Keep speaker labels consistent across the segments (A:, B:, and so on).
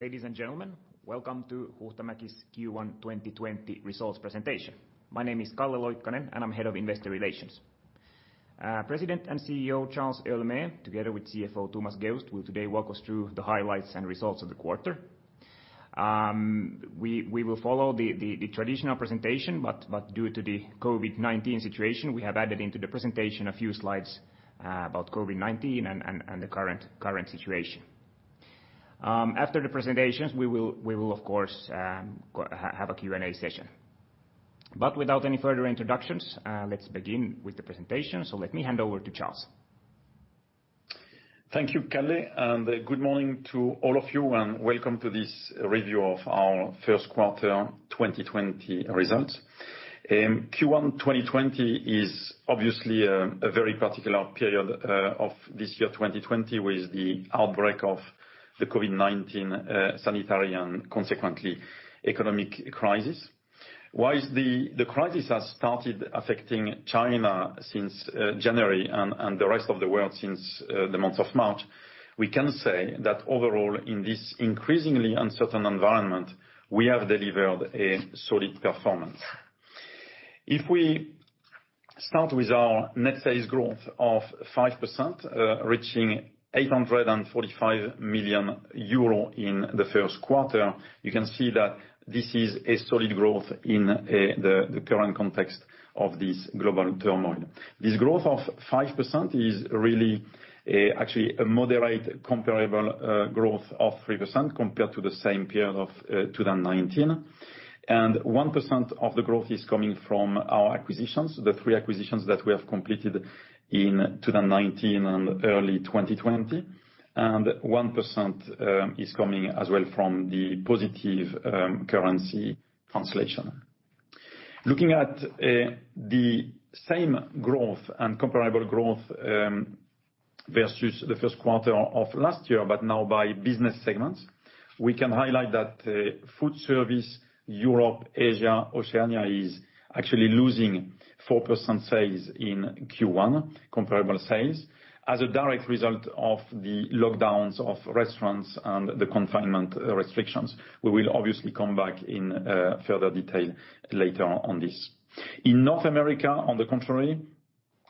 A: Ladies and gentlemen, welcome to Huhtamäki's Q1 2020 Results presentation. My name is Kalle Loikkanen, and I'm Head of Investor Relations. President and CEO Charles Héaulmé, together with CFO Thomas Geust, will today walk us through the highlights and results of the quarter. We will follow the traditional presentation, but due to the COVID-19 situation, we have added into the presentation a few slides about COVID-19 and the current situation. After the presentations, we will, of course, have a Q&A session. But without any further introductions, let's begin with the presentation, so let me hand over to Charles.
B: Thank you, Kalle, and good morning to all of you, and welcome to this review of our first quarter 2020 results. Q1 2020 is obviously a very particular period of this year 2020, with the outbreak of the COVID-19 sanitary and consequently economic crisis. While the crisis has started affecting China since January and the rest of the world since the month of March, we can say that overall, in this increasingly uncertain environment, we have delivered a solid performance. If we start with our net sales growth of 5%, reaching 845 million euro in the first quarter, you can see that this is a solid growth in the current context of this global turmoil. This growth of 5% is really actually a moderate comparable growth of 3% compared to the same period of 2019.1% of the growth is coming from our acquisitions, the three acquisitions that we have completed in 2019 and early 2020. 1% is coming as well from the positive currency translation. Looking at the same growth and comparable growth versus the first quarter of last year, but now by business segments, we can highlight that foodservice, Europe, Asia, Oceania is actually losing 4% sales in Q1, comparable sales, as a direct result of the lockdowns of restaurants and the confinement restrictions. We will obviously come back in further detail later on this. In North America, on the contrary,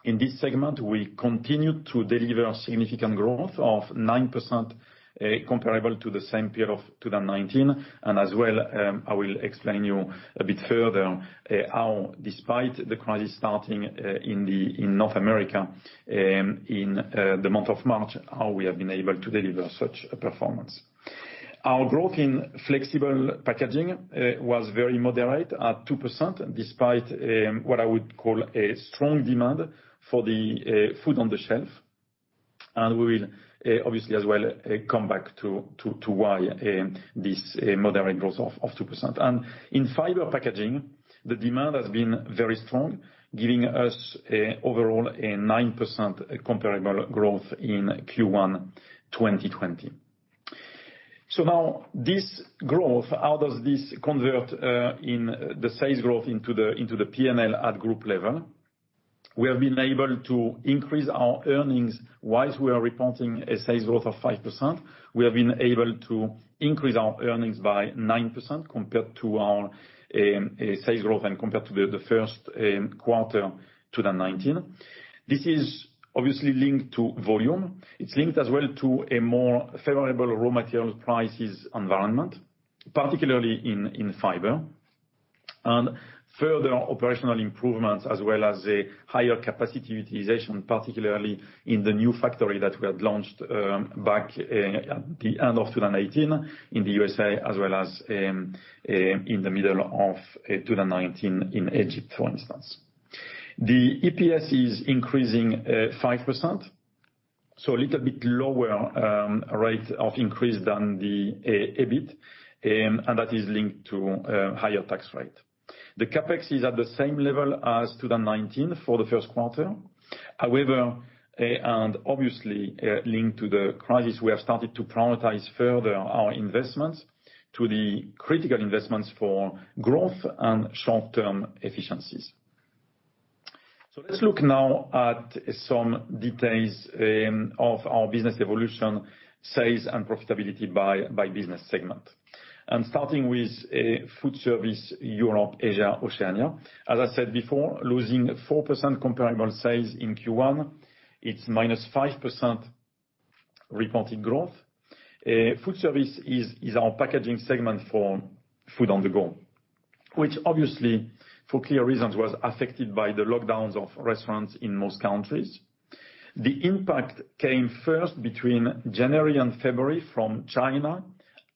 B: in this segment, we continue to deliver significant growth of 9% comparable to the same period of 2019. As well, I will explain to you a bit further how, despite the crisis starting in North America in the month of March, how we have been able to deliver such a performance. Our growth in flexible packaging was very moderate at 2%, despite what I would call a strong demand for the food on the shelf. We will obviously as well come back to why this moderate growth of 2%. In fiber packaging, the demand has been very strong, giving us overall a 9% comparable growth in Q1 2020. Now this growth, how does this convert the sales growth into the P&L at group level? We have been able to increase our earnings while we are reporting a sales growth of 5%. We have been able to increase our earnings by 9% compared to our sales growth and compared to the first quarter 2019. This is obviously linked to volume. It's linked as well to a more favorable raw material prices environment, particularly in fiber, and further operational improvements, as well as a higher capacity utilization, particularly in the new factory that we had launched back at the end of 2018 in the USA, as well as in the middle of 2019 in Egypt, for instance. The EPS is increasing 5%, so a little bit lower rate of increase than the EBIT, and that is linked to a higher tax rate. The CAPEX is at the same level as 2019 for the first quarter. However, and obviously linked to the crisis, we have started to prioritize further our investments to the critical investments for growth and short-term efficiencies. Let's look now at some details of our business evolution, sales, and profitability by business segment, starting with foodservice, Europe, Asia, Oceania. As I said before, losing 4% comparable sales in Q1, it's minus 5% reported growth. Food service is our packaging segment for food on the go, which obviously, for clear reasons, was affected by the lockdowns of restaurants in most countries. The impact came first between January and February from China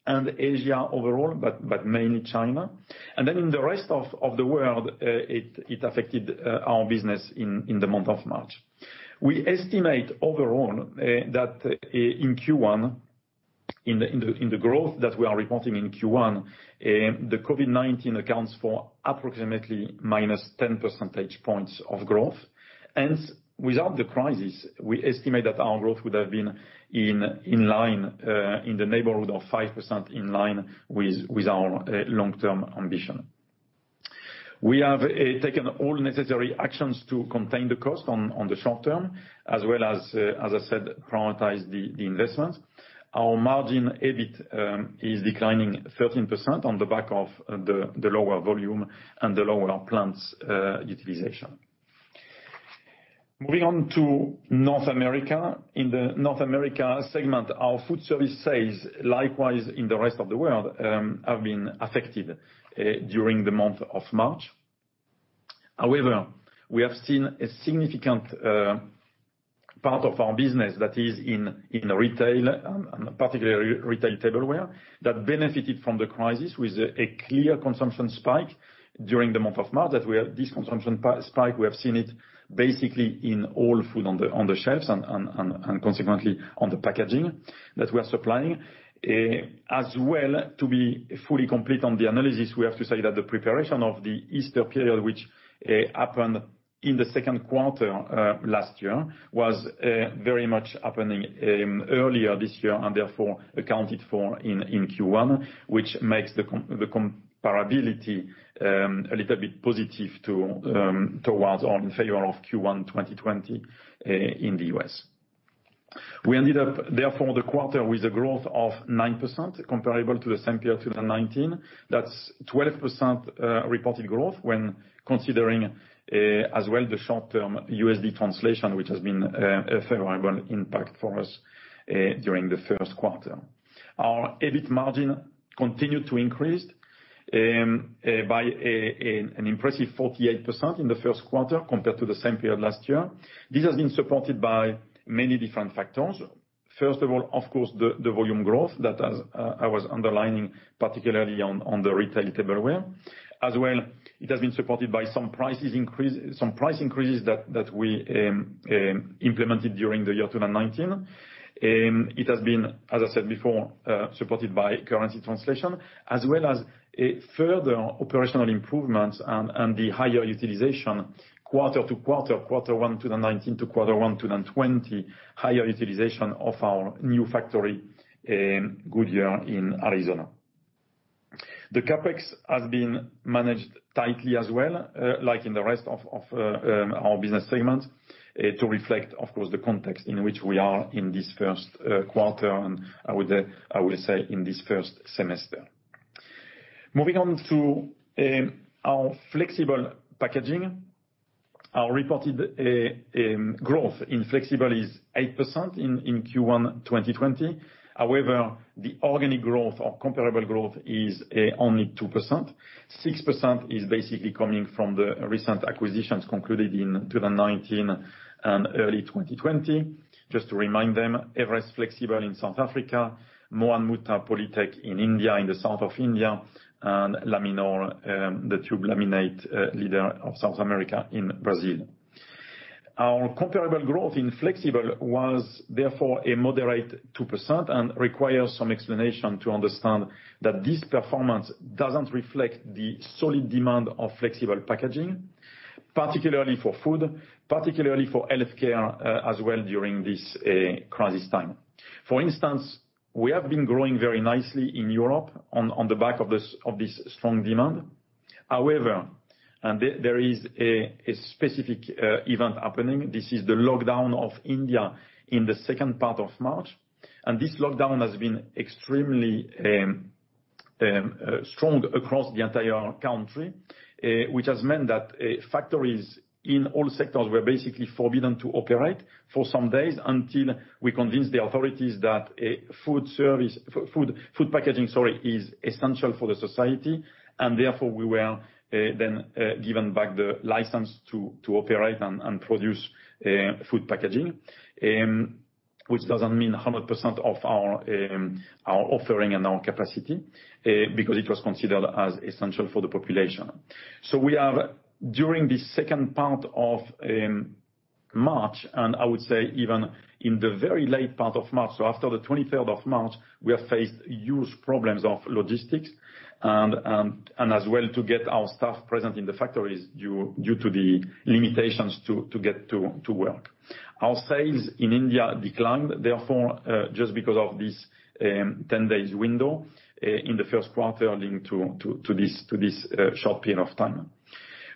B: and Asia overall, but mainly China, and then in the rest of the world, it affected our business in the month of March. We estimate overall that in Q1, in the growth that we are reporting in Q1, the COVID-19 accounts for approximately minus 10 percentage points of growth. Hence, without the crisis, we estimate that our growth would have been in line in the neighborhood of 5% in line with our long-term ambition. We have taken all necessary actions to contain the cost on the short term, as well as, as I said, prioritize the investments. Our margin EBIT is declining 13% on the back of the lower volume and the lower plant utilization. Moving on to North America. In the North America segment, our foodservice sales, likewise in the rest of the world, have been affected during the month of March. However, we have seen a significant part of our business that is in retail, and particularly retail tableware, that benefited from the crisis with a clear consumption spike during the month of March. This consumption spike, we have seen it basically in all food on the shelves and consequently on the packaging that we are supplying. As well, to be fully complete on the analysis, we have to say that the preparation of the Easter period, which happened in the second quarter last year, was very much happening earlier this year and therefore accounted for in Q1, which makes the comparability a little bit positive towards or in favor of Q1 2020 in the U.S.. We ended up, therefore, the quarter with a growth of nine% comparable to the same period 2019. That's 12% reported growth when considering as well the short-term USD translation, which has been a favorable impact for us during the first quarter. Our EBIT margin continued to increase by an impressive 48% in the first quarter compared to the same period last year. This has been supported by many different factors. First of all, of course, the volume growth that I was underlining, particularly on the retail tableware. As well, it has been supported by some price increases that we implemented during the year 2019. It has been, as I said before, supported by currency translation, as well as further operational improvements and the higher utilization quarter to quarter, quarter one 2019 to quarter one 2020, higher utilization of our new factory Goodyear in Arizona. The CapEx has been managed tightly as well, like in the rest of our business segment, to reflect, of course, the context in which we are in this first quarter, and I would say in this first semester. Moving on to our flexible packaging, our reported growth in flexible is 8% in Q1 2020. However, the organic growth or comparable growth is only 2%. 6% is basically coming from the recent acquisitions concluded in 2019 and early 2020.Just to remind them, Everest Flexibles in South Africa, Mohan Mutha Polytech in India, in the south of India, and Laminor, the tube laminate leader of South America in Brazil. Our comparable growth in flexible was therefore a moderate 2% and requires some explanation to understand that this performance doesn't reflect the solid demand of flexible packaging, particularly for food, particularly for healthcare as well during this crisis time. For instance, we have been growing very nicely in Europe on the back of this strong demand. However, there is a specific event happening. This is the lockdown of India in the second part of March. This lockdown has been extremely strong across the entire country, which has meant that factories in all sectors were basically forbidden to operate for some days until we convinced the authorities that food packaging is essential for the society. And therefore, we were then given back the license to operate and produce food packaging, which doesn't mean 100% of our offering and our capacity because it was considered as essential for the population. So we have, during the second part of March, and I would say even in the very late part of March, so after the 23rd of March, we have faced huge problems of logistics and as well to get our staff present in the factories due to the limitations to get to work. Our sales in India declined, therefore, just because of this 10-day window in the first quarter linked to this short period of time.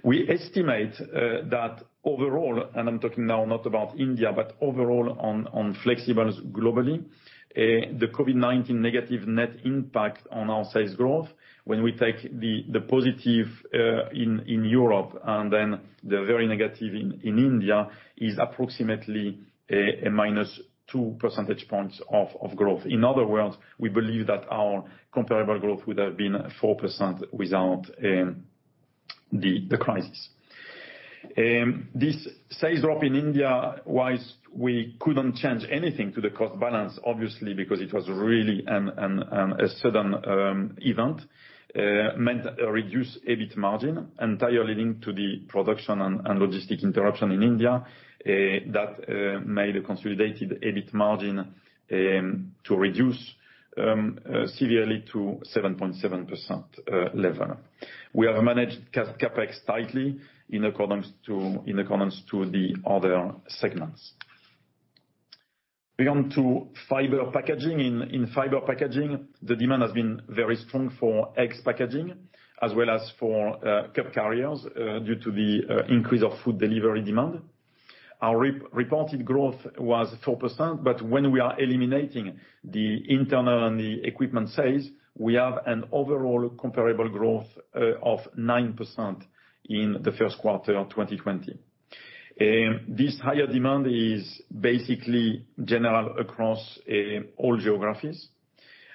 B: We estimate that overall, and I'm talking now not about India, but overall on flexibles globally, the COVID-19 negative net impact on our sales growth, when we take the positive in Europe and then the very negative in India, is approximately a minus 2 percentage points of growth. In other words, we believe that our comparable growth would have been 4% without the crisis. This sales drop in India, while we couldn't change anything to the cost balance, obviously, because it was really a sudden event, meant a reduced EBIT margin entirely linked to the production and logistic interruption in India that made a consolidated EBIT margin to reduce severely to 7.7% level. We have managed CAPEX tightly in accordance to the other segments. We come to fiber packaging. In fiber packaging, the demand has been very strong for egg packaging, as well as for cup carriers due to the increase of food delivery demand. Our reported growth was 4%, but when we are eliminating the internal and the equipment sales, we have an overall comparable growth of 9% in the first quarter 2020. This higher demand is basically general across all geographies.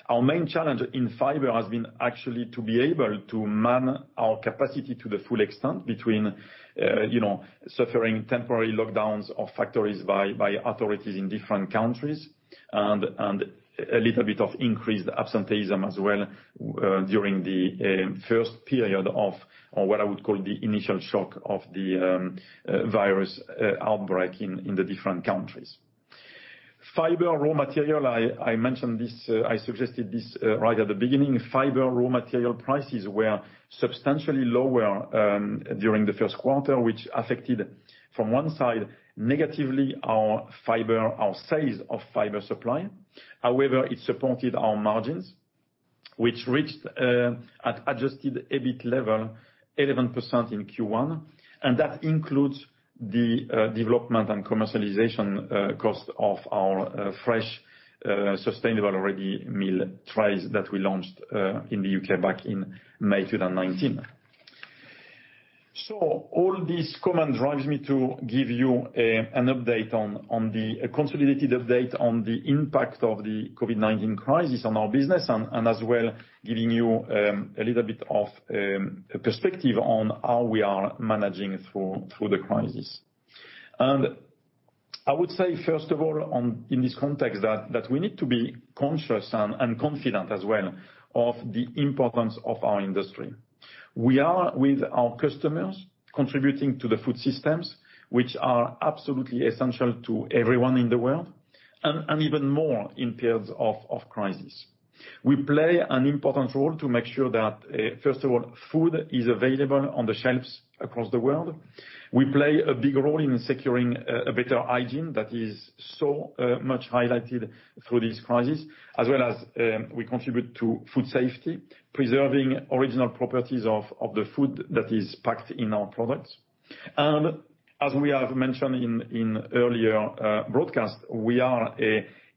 B: Our main challenge in fiber has been actually to be able to man our capacity to the full extent between suffering temporary lockdowns of factories by authorities in different countries and a little bit of increased absenteeism as well during the first period of what I would call the initial shock of the virus outbreak in the different countries. Fiber raw material, I mentioned this, I suggested this right at the beginning. Fiber raw material prices were substantially lower during the first quarter, which affected from one side negatively our fiber, our sales of fiber supply. However, it supported our margins, which reached an adjusted EBIT level of 11% in Q1. And that includes the development and commercialization cost of our fresh sustainable ready meal trays that we launched in the U.K. back in May 2019. So all this comment drives me to give you an update on the consolidated update on the impact of the COVID-19 crisis on our business, and as well giving you a little bit of perspective on how we are managing through the crisis. And I would say, first of all, in this context, that we need to be conscious and confident as well of the importance of our industry. We are with our customers contributing to the food systems, which are absolutely essential to everyone in the world, and even more in periods of crisis. We play an important role to make sure that, first of all, food is available on the shelves across the world. We play a big role in securing a better hygiene that is so much highlighted through this crisis, as well as we contribute to food safety, preserving original properties of the food that is packed in our products. And as we have mentioned in earlier broadcast, we are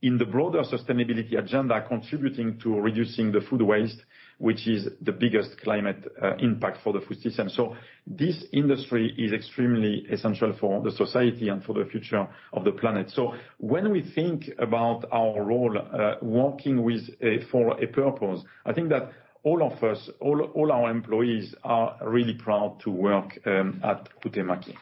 B: in the broader sustainability agenda contributing to reducing the food waste, which is the biggest climate impact for the food system. So this industry is extremely essential for the society and for the future of the planet. When we think about our role working for a purpose, I think that all of us, all our employees are really proud to work at Huhtamäki.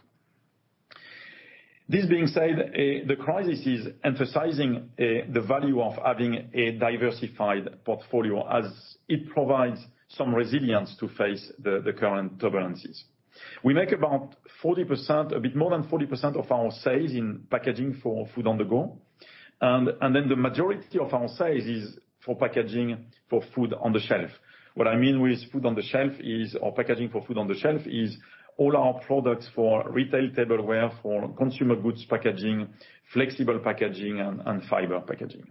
B: This being said, the crisis is emphasizing the value of having a diversified portfolio as it provides some resilience to face the current turbulences. We make about 40%, a bit more than 40% of our sales in packaging for food on the go. The majority of our sales is for packaging for food on the shelf. What I mean with food on the shelf is, or packaging for food on the shelf is all our products for retail tableware, for consumer goods packaging, flexible packaging, and fiber packaging.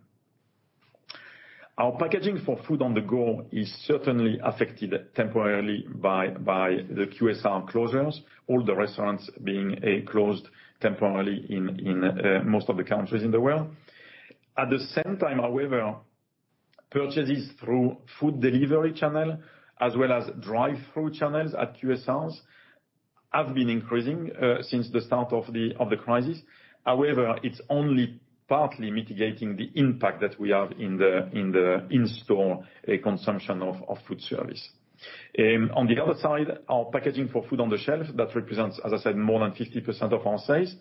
B: Our packaging for food on the go is certainly affected temporarily by the QSR closures, all the restaurants being closed temporarily in most of the countries in the world.At the same time, however, purchases through food delivery channel, as well as drive-through channels at QSRs, have been increasing since the start of the crisis. However, it's only partly mitigating the impact that we have in the in-store consumption of foodservice. On the other side, our packaging for food on the shelf that represents, as I said, more than 50% of our sales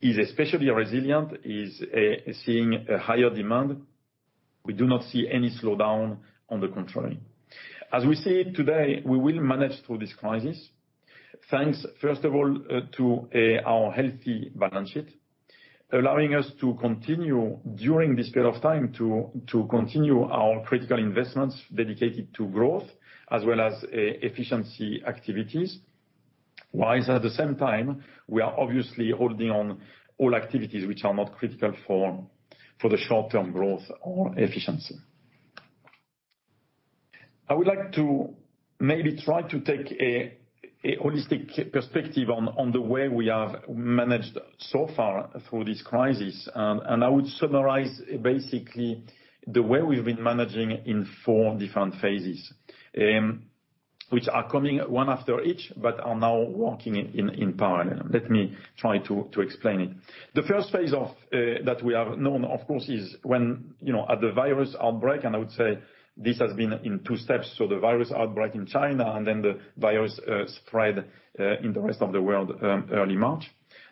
B: is especially resilient, is seeing a higher demand. We do not see any slowdown on the contrary. As we see it today, we will manage through this crisis, thanks first of all to our healthy balance sheet, allowing us to continue during this period of time to continue our critical investments dedicated to growth, as well as efficiency activities, while at the same time, we are obviously holding on all activities which are not critical for the short-term growth or efficiency. I would like to maybe try to take a holistic perspective on the way we have managed so far through this crisis. And I would summarize basically the way we've been managing in four different phases, which are coming one after each, but are now working in parallel. Let me try to explain it. The first phase that we have known, of course, is when at the virus outbreak, and I would say this has been in two steps. So the virus outbreak in China and then the virus spread in the rest of the world early March.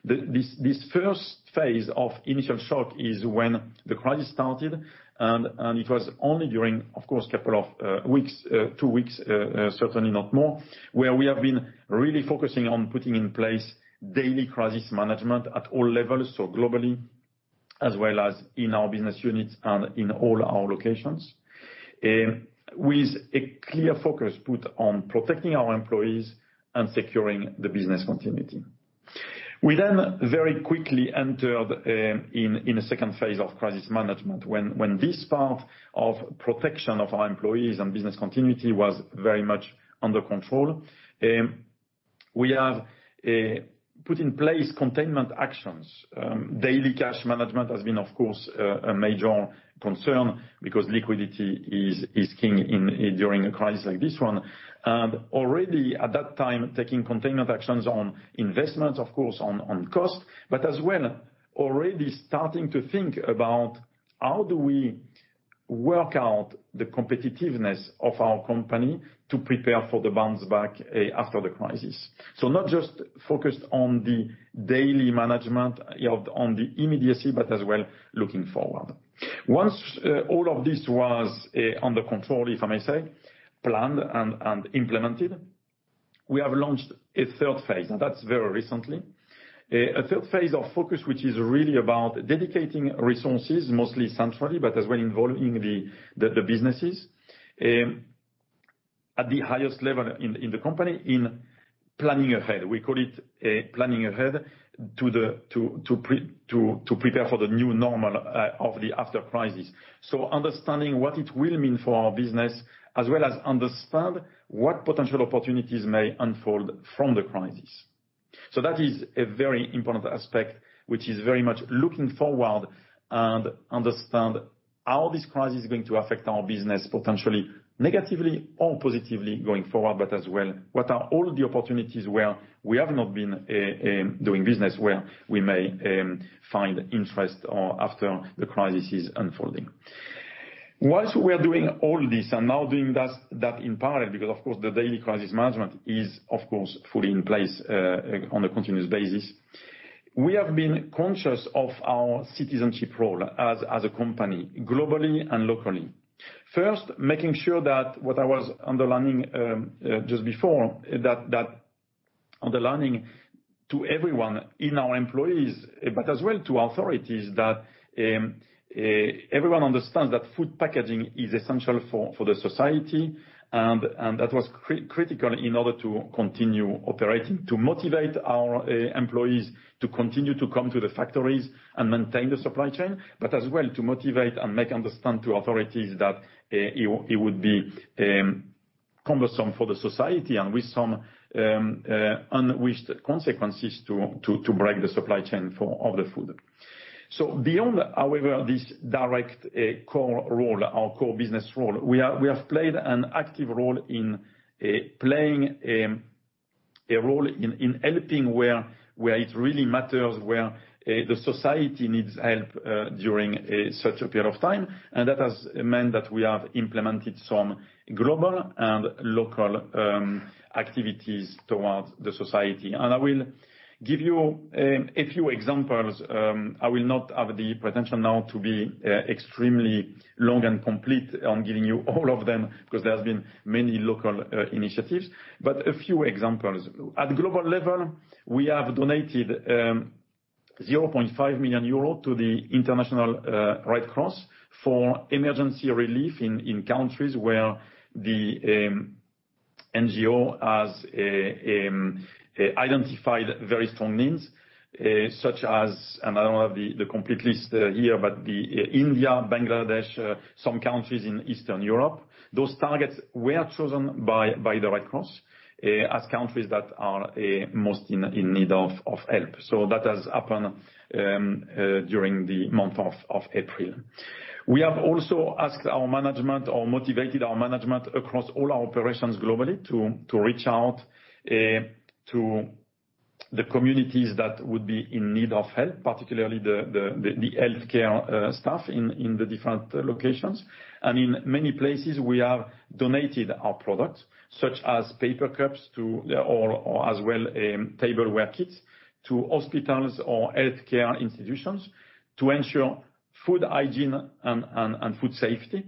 B: This first phase of initial shock is when the crisis started, and it was only during, of course, a couple of weeks, two weeks, certainly not more, where we have been really focusing on putting in place daily crisis management at all levels, so globally, as well as in our business units and in all our locations, with a clear focus put on protecting our employees and securing the business continuity. We then very quickly entered in a second phase of crisis management when this part of protection of our employees and business continuity was very much under control. We have put in place containment actions. Daily cash management has been, of course, a major concern because liquidity is king during a crisis like this one. And already at that time, taking containment actions on investments, of course, on cost, but as well already starting to think about how do we work out the competitiveness of our company to prepare for the bounce back after the crisis. So not just focused on the daily management on the immediacy, but as well looking forward. Once all of this was under control, if I may say, planned and implemented, we have launched a third phase, and that's very recently. A phase III of focus, which is really about dedicating resources, mostly centrally, but as well involving the businesses at the highest level in the company in planning ahead. We call it planning ahead to prepare for the new normal of the after crisis. So understanding what it will mean for our business, as well as understand what potential opportunities may unfold from the crisis. That is a very important aspect, which is very much looking forward and understand how this crisis is going to affect our business, potentially negatively or positively going forward, but as well what are all the opportunities where we have not been doing business, where we may find interest after the crisis is unfolding. While we are doing all this and now doing that in parallel, because of course, the daily crisis management is, of course, fully in place on a continuous basis, we have been conscious of our citizenship role as a company globally and locally. First, making sure that what I was underlining just before, that underlining to everyone in our employees, but as well to authorities, that everyone understands that food packaging is essential for the society, and that was critical in order to continue operating, to motivate our employees to continue to come to the factories and maintain the supply chain, but as well to motivate and make understand to authorities that it would be cumbersome for the society and with some unwished consequences to break the supply chain of the food. So, beyond, however, this direct core role, our core business role, we have played an active role in playing a role in helping where it really matters, where the society needs help during such a period of time. And that has meant that we have implemented some global and local activities towards the society. I will give you a few examples. I will not have the pretension now to be extremely long and complete on giving you all of them because there have been many local initiatives, but a few examples. At global level, we have donated 0.5 million euro to the International Red Cross for emergency relief in countries where the NGO has identified very strong needs, such as, and I don't have the complete list here, but India, Bangladesh, some countries in Eastern Europe. Those targets were chosen by the Red Cross as countries that are most in need of help. That has happened during the month of April. We have also asked our management or motivated our management across all our operations globally to reach out to the communities that would be in need of help, particularly the healthcare staff in the different locations. And in many places, we have donated our products, such as paper cups or as well tableware kits to hospitals or healthcare institutions to ensure food hygiene and food safety,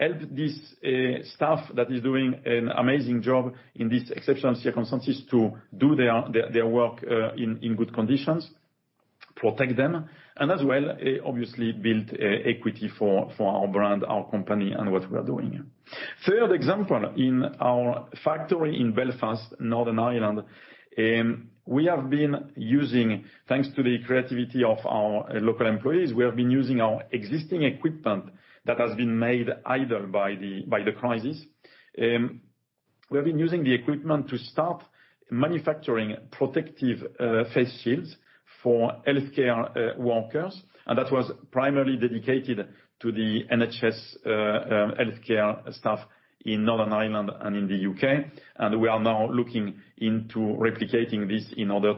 B: help this staff that is doing an amazing job in these exceptional circumstances to do their work in good conditions, protect them, and as well, obviously build equity for our brand, our company, and what we are doing. Third example, in our factory in Belfast, Northern Ireland, we have been using, thanks to the creativity of our local employees, our existing equipment that has been made idle by the crisis. We have been using the equipment to start manufacturing protective face shields for healthcare workers, and that was primarily dedicated to the NHS healthcare staff in Northern Ireland and in the U.K. We are now looking into replicating this in other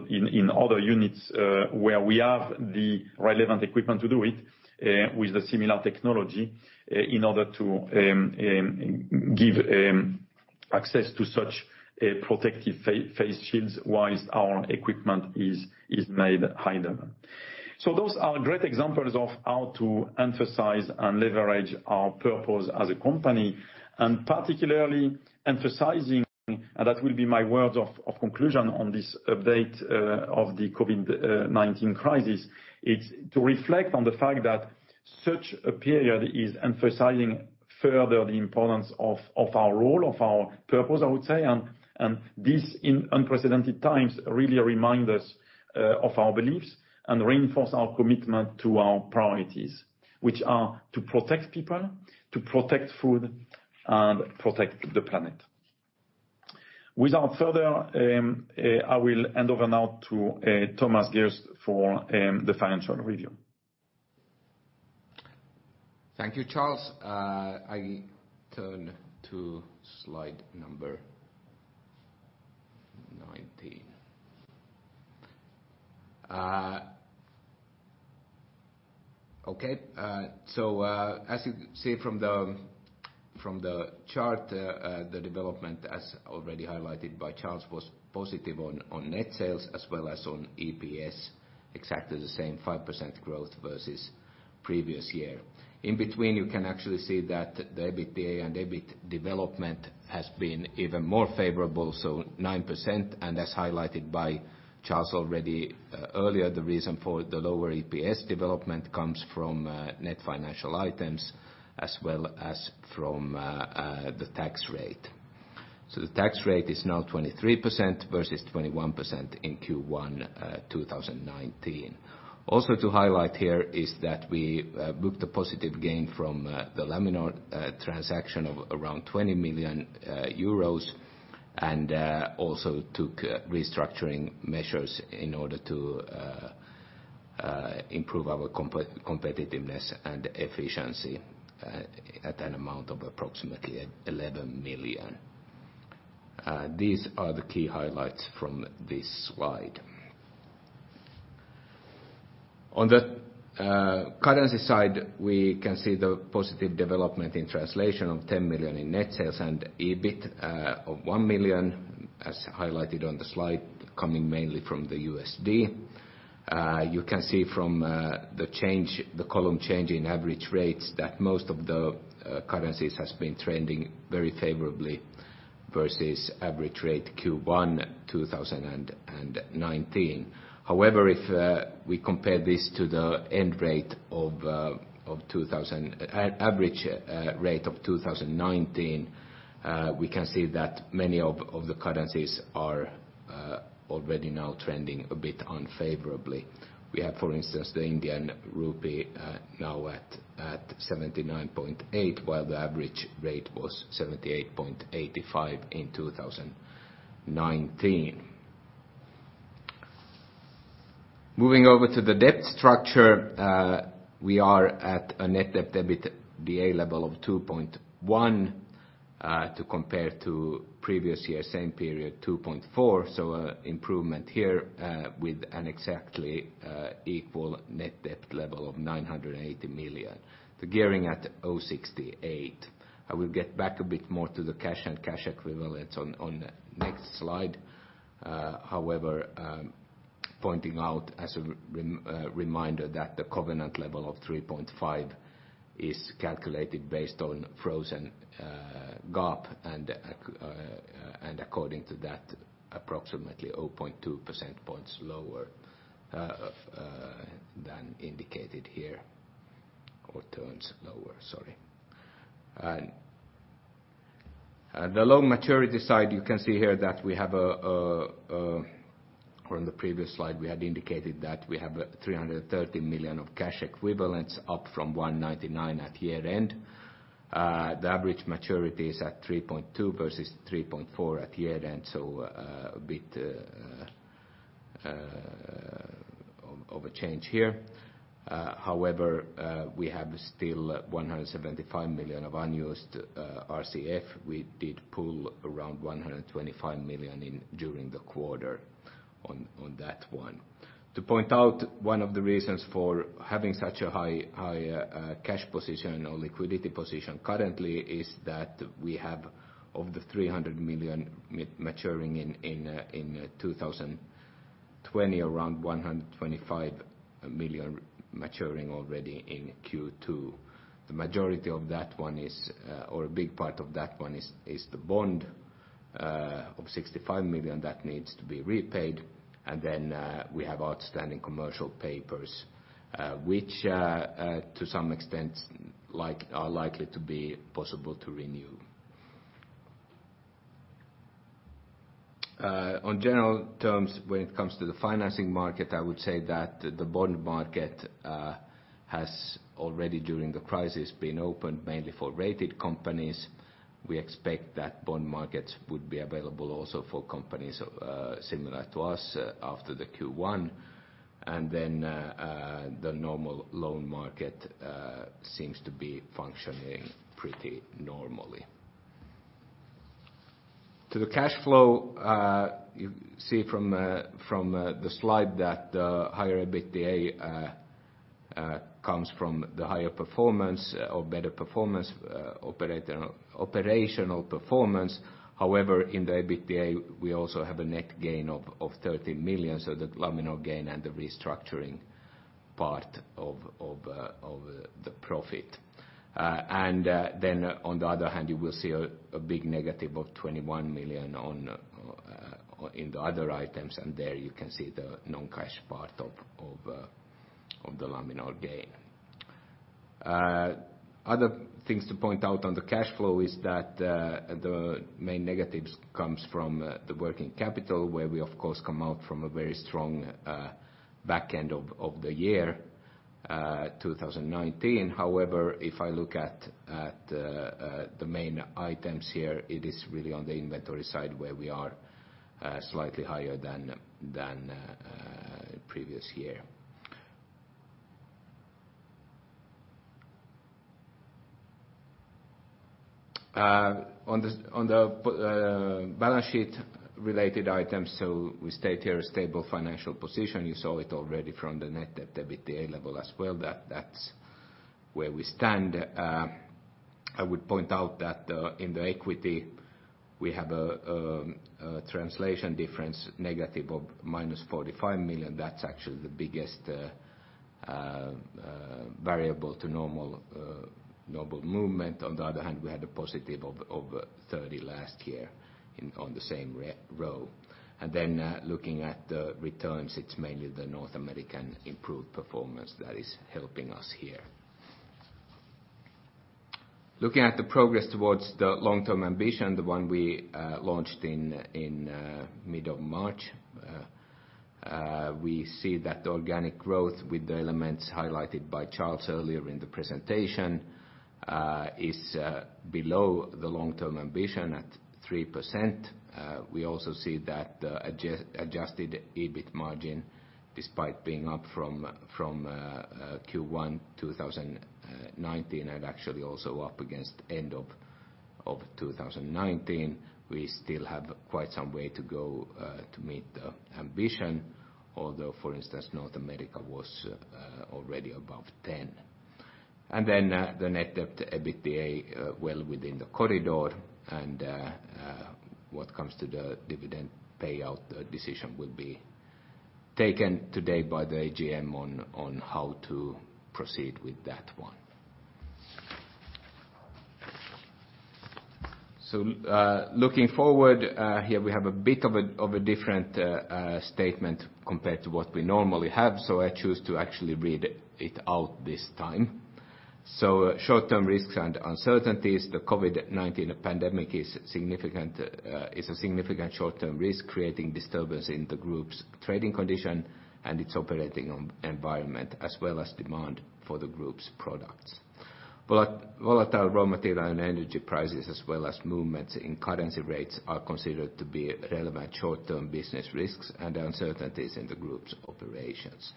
B: units where we have the relevant equipment to do it with a similar technology in order to give access to such protective face shields whilst our equipment is made idle. So those are great examples of how to emphasize and leverage our purpose as a company, and particularly emphasizing, and that will be my words of conclusion on this update of the COVID-19 crisis, it's to reflect on the fact that such a period is emphasizing further the importance of our role, of our purpose, I would say. This in unprecedented times really reminds us of our beliefs and reinforces our commitment to our priorities, which are to protect people, to protect food, and protect the planet. Without further, I will hand over now to Thomas Geust for the financial review.
C: Thank you, Charles.I turn to slide number 19. Okay, so as you see from the chart, the development, as already highlighted by Charles, was positive on net sales as well as on EPS, exactly the same 5% growth versus previous year. In between, you can actually see that the EBITDA and EBIT development has been even more favorable, so 9%, and as highlighted by Charles already earlier, the reason for the lower EPS development comes from net financial items as well as from the tax rate, so the tax rate is now 23% versus 21% in Q1 2019. Also to highlight here is that we booked a positive gain from the Laminor transaction of around 20 million euros and also took restructuring measures in order to improve our competitiveness and efficiency at an amount of approximately 11 million. These are the key highlights from this slide. On the currency side, we can see the positive development in translation of 10 million in net sales and EBIT of 1 million, as highlighted on the slide, coming mainly from the USD. You can see from the column change in average rates that most of the currencies have been trending very favorably versus average rate Q1 2019. However, if we compare this to the end rate of average rate of 2019, we can see that many of the currencies are already now trending a bit unfavorably. We have, for instance, the Indian rupee now at 79.8, while the average rate was 78.85 in 2019. Moving over to the debt structure, we are at a net debt/EBITDA level of 2.1, to compare to previous year same period 2.4, so an improvement here with an exactly equal net debt level of 980 million. The gearing at 0.68. I will get back a bit more to the cash and cash equivalents on the next slide, however, pointing out as a reminder that the covenant level of 3.5 is calculated based on Frozen GAAP and according to that, approximately 0.2 percentage points lower than indicated here or turns lower, sorry, and the long maturity side, you can see here that we have from the previous slide, we had indicated that we have 330 million of cash equivalents up from 199 million at year-end. The average maturity is at 3.2 versus 3.4 at year-end, so a bit of a change here. However, we have still 175 million of unused RCF. We did pull around 125 million during the quarter on that one. To point out, one of the reasons for having such a high cash position or liquidity position currently is that we have of the 300 million maturing in 2020, around 125 million maturing already in Q2. The majority of that one is, or a big part of that one is the bond of 65 million that needs to be repaid. And then we have outstanding commercial papers, which to some extent are likely to be possible to renew. On general terms, when it comes to the financing market, I would say that the bond market has already during the crisis been opened mainly for rated companies. We expect that bond markets would be available also for companies similar to us after the Q1. And then the normal loan market seems to be functioning pretty normally. To the cash flow, you see from the slide that the higher EBITDA comes from the higher performance or better performance operational performance. However, in the EBITDA, we also have a net gain of 30 million, so the Laminor gain and the restructuring part of the profit. And then on the other hand, you will see a big negative of 21 million in the other items, and there you can see the non-cash part of the Laminor gain. Other things to point out on the cash flow is that the main negatives come from the working capital, where we, of course, come out from a very strong backend of the year 2019. However, if I look at the main items here, it is really on the inventory side where we are slightly higher than previous year. On the balance sheet related items, so we state here a stable financial position. You saw it already from the net debt/EBITDA level as well, that that's where we stand. I would point out that in the equity, we have a translation difference negative of minus 45 million. That's actually the biggest variable to normal movement. On the other hand, we had a positive of 30 million last year on the same row, and then looking at the returns, it's mainly the North American improved performance that is helping us here. Looking at the progress towards the long-term ambition, the one we launched in mid of March, we see that the organic growth with the elements highlighted by Charles earlier in the presentation is below the long-term ambition at 3%.We also see that the adjusted EBIT margin, despite being up from Q1 2019 and actually also up against end of 2019, we still have quite some way to go to meet the ambition, although, for instance, North America was already above 10%. Then the net debt/EBITDA well within the corridor. What comes to the dividend payout decision will be taken today by the AGM on how to proceed with that one. Looking forward, here we have a bit of a different statement compared to what we normally have, so I choose to actually read it out this time. Short-term risks and uncertainties, the COVID-19 pandemic is a significant short-term risk creating disturbance in the group's trading condition and its operating environment as well as demand for the group's products. Volatile raw material and energy prices, as well as movements in currency rates, are considered to be relevant short-term business risks and uncertainties in the group's operations.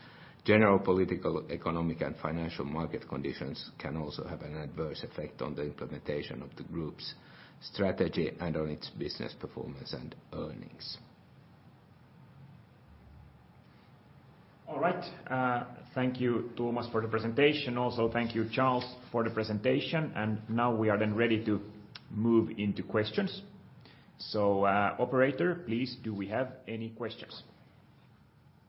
C: General political, economic, and financial market conditions can also have an adverse effect on the implementation of the group's strategy and on its business performance and earnings.
A: All right. Thank you, Thomas, for the presentation. Also, thank you, Charles, for the presentation. And now we are then ready to move into questions. So operator, please, do we have any questions?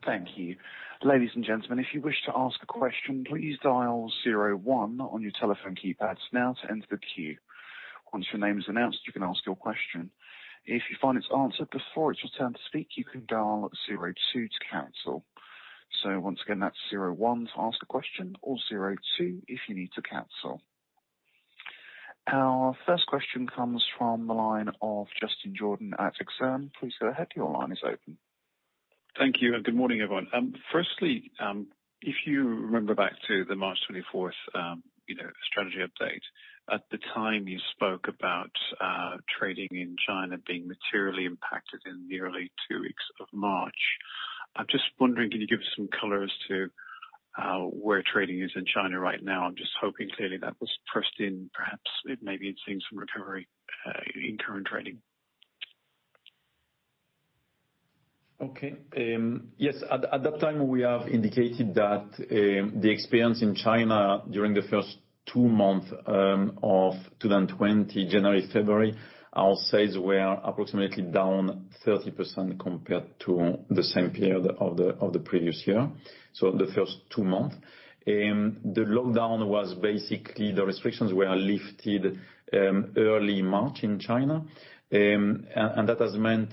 D: Thank you. Ladies and gentlemen, if you wish to ask a question, please dial 01 on your telephone keypads now to enter the queue. Once your name is announced, you can ask your question. If you find it's answered before it's your turn to speak, you can dial 02 to cancel. So once again, that's 01 to ask a question or 02 if you need to cancel. Our first question comes from the line of Justin Jordan at Exane. Please go ahead. Your line is open.
E: Thank you and good morning, everyone. Firstly, if you remember back to the March 24th strategy update, at the time you spoke about trading in China being materially impacted in the early two weeks of March, I'm just wondering, can you give us some colors to where trading is in China right now? I'm just hoping clearly that was pressed in, perhaps maybe it's seeing some recovery in current trading.
B: Okay. Yes. At that time, we have indicated that the experience in China during the first two months of 2020, January, February, our sales were approximately down 30% compared to the same period of the previous year, so the first two months. The lockdown was basically. The restrictions were lifted early March in China, and that has meant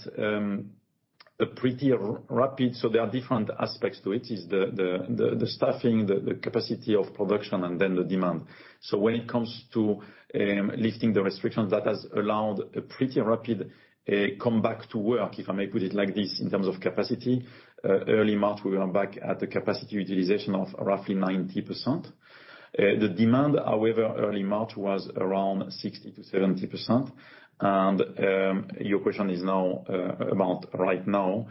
B: a pretty rapid, so there are different aspects to it. It's the staffing, the capacity of production, and then the demand. So when it comes to lifting the restrictions, that has allowed a pretty rapid comeback to work, if I may put it like this, in terms of capacity. Early March, we were back at the capacity utilization of roughly 90%. The demand, however, early March was around 60%-70%.Your question is now about right now,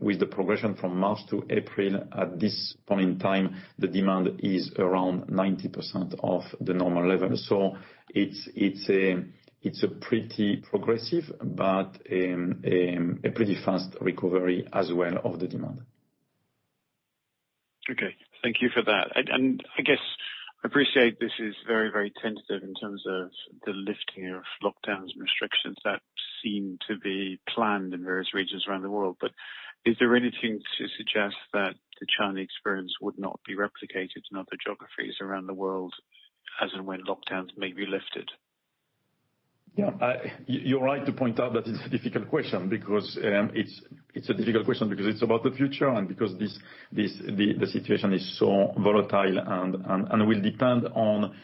B: with the progression from March to April. At this point in time, the demand is around 90% of the normal level. It is a pretty progressive, but a pretty fast recovery as well of the demand.
E: Okay. Thank you for that. And I guess I appreciate that this is very, very tentative in terms of the lifting of lockdowns and restrictions that seem to be planned in various regions around the world. But is there anything to suggest that the China experience would not be replicated in other geographies around the world as and when lockdowns may be lifted?
B: Yeah. You're right to point out that it's a difficult question because it's a difficult question because it's about the future and because the situation is so volatile and will depend on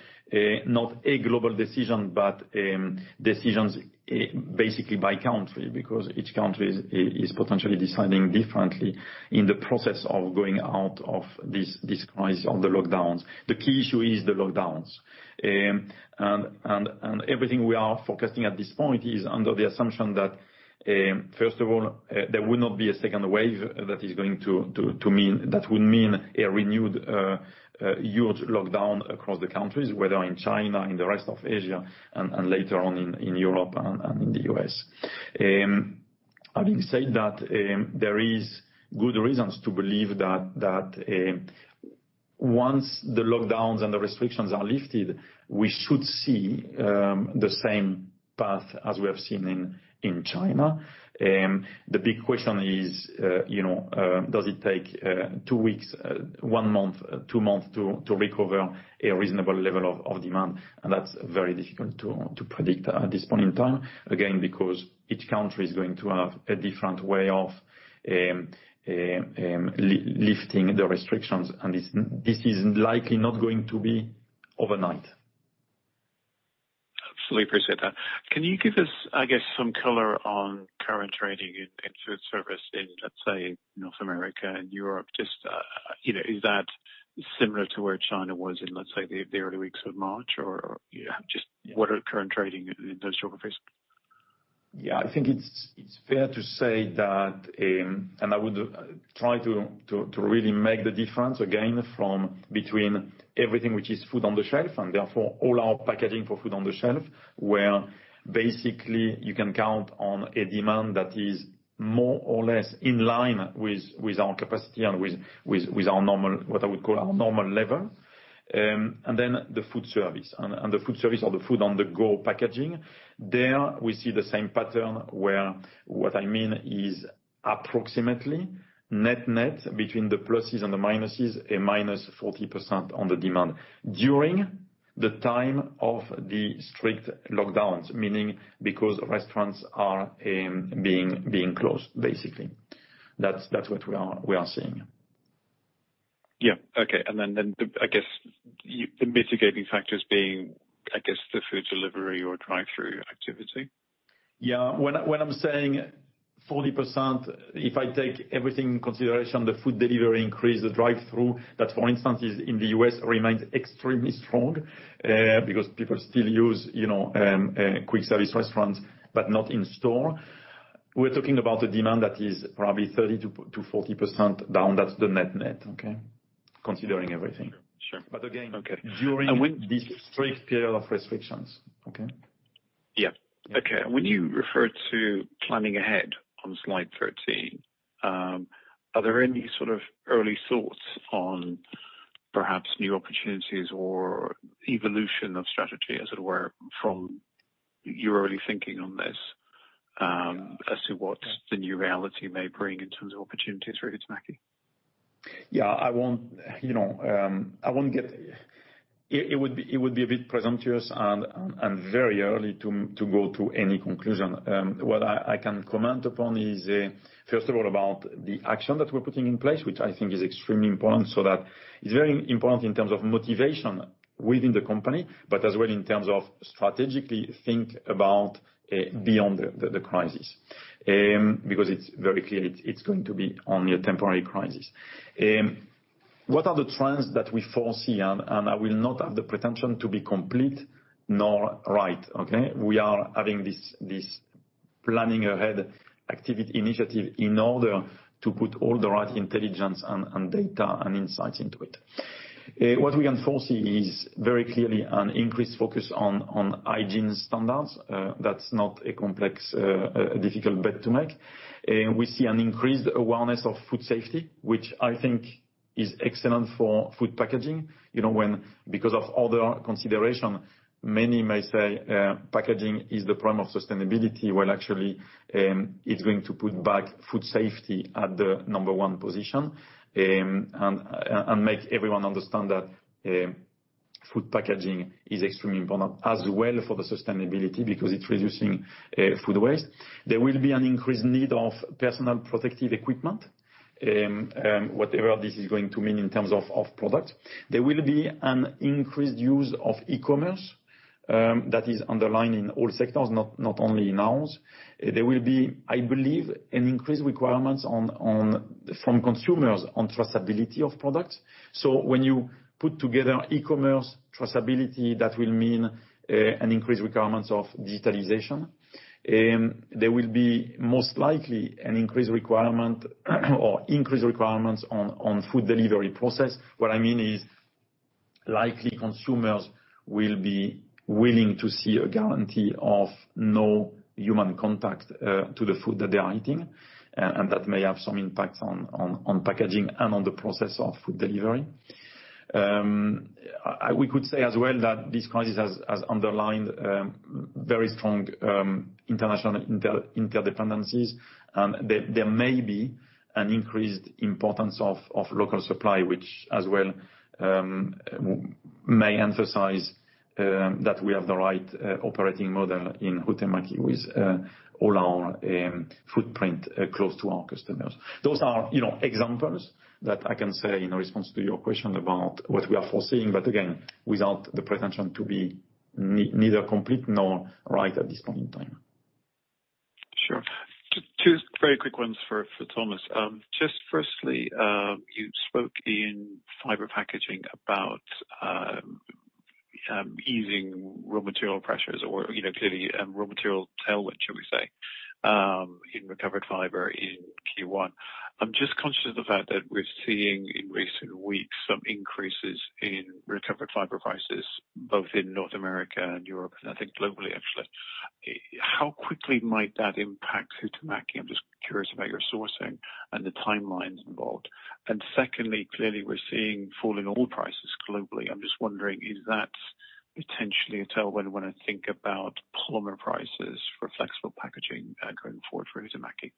B: not a global decision, but decisions basically by country because each country is potentially deciding differently in the process of going out of this crisis of the lockdowns. The key issue is the lockdowns, and everything we are forecasting at this point is under the assumption that, first of all, there will not be a second wave that is going to mean that would mean a renewed huge lockdown across the countries, whether in China, in the rest of Asia, and later on in Europe and in the U.S.. Having said that, there are good reasons to believe that once the lockdowns and the restrictions are lifted, we should see the same path as we have seen in China. The big question is, does it take two weeks, one month, two months to recover a reasonable level of demand? And that's very difficult to predict at this point in time, again, because each country is going to have a different way of lifting the restrictions, and this is likely not going to be overnight.
E: Absolutely appreciate that. Can you give us, I guess, some color on current trading in foodservice in, let's say, North America and Europe? Just is that similar to where China was in, let's say, the early weeks of March? Or just what are current trading in those geographies?
B: Yeah. I think it's fair to say that, and I would try to really make the difference again from between everything which is food on the shelf and therefore all our packaging for food on the shelf, where basically you can count on a demand that is more or less in line with our capacity and with our normal. What I would call our normal level, and then the foodservice, and the foodservice or the food on the go packaging, there we see the same pattern where what I mean is approximately net-net between the pluses and the minuses, -40% on the demand during the time of the strict lockdowns, meaning because restaurants are being closed, basically. That's what we are seeing.
E: Yeah. Okay. And then I guess the mitigating factors being, I guess, the food delivery or drive-through activity?
B: Yeah. When I'm saying 40%, if I take everything into consideration, the food delivery increase, the drive-through, that for instance is in the U.S., remains extremely strong because people still use quick service restaurants, but not in store. We're talking about a demand that is probably 30%-40% down. That's the net-net, okay, considering everything. But again, during this strict period of restrictions, okay?
E: Yeah. Okay. When you refer to planning ahead on slide 13, are there any sort of early thoughts on perhaps new opportunities or evolution of strategy, as it were, from your early thinking on this as to what the new reality may bring in terms of opportunities for Huhtamäki?
B: Yeah. It would be a bit presumptuous and very early to go to any conclusion. What I can comment upon is, first of all, about the action that we're putting in place, which I think is extremely important, so that it's very important in terms of motivation within the company, but as well in terms of strategically think about beyond the crisis because it's very clear it's going to be only a temporary crisis. What are the trends that we foresee? I will not have the pretension to be complete nor right, okay? We are having this planning ahead initiative in order to put all the right intelligence and data and insights into it. What we can foresee is very clearly an increased focus on hygiene standards. That's not a complex, difficult bet to make. We see an increased awareness of food safety, which I think is excellent for food packaging. Because of other considerations, many may say packaging is the problem of sustainability, while actually it's going to put back food safety at the number one position and make everyone understand that food packaging is extremely important as well for the sustainability because it's reducing food waste. There will be an increased need of personal protective equipment, whatever this is going to mean in terms of products. There will be an increased use of e-commerce that is underlined in all sectors, not only in ours. There will be, I believe, an increased requirements from consumers on traceability of products. So when you put together e-commerce traceability, that will mean an increased requirements of digitalization. There will be most likely an increased requirement or increased requirements on food delivery process. What I mean is likely consumers will be willing to see a guarantee of no human contact to the food that they are eating, and that may have some impacts on packaging and on the process of food delivery. We could say as well that this crisis has underlined very strong international interdependencies, and there may be an increased importance of local supply, which as well may emphasize that we have the right operating model in Huhtamäki with all our footprint close to our customers. Those are examples that I can say in response to your question about what we are foreseeing, but again, without the pretension to be neither complete nor right at this point in time.
E: Sure. Two very quick ones for Thomas. Just firstly, you spoke in fiber packaging about easing raw material pressures or clearly raw material tailwind, shall we say, in recovered fiber in Q1. I'm just conscious of the fact that we're seeing in recent weeks some increases in recovered fiber prices, both in North America and Europe, and I think globally, actually. How quickly might that impact Huhtamäki? I'm just curious about your sourcing and the timelines involved. And secondly, clearly we're seeing falling oil prices globally. I'm just wondering, is that potentially a tailwind when I think about polymer prices for flexible packaging going forward for Huhtamäki?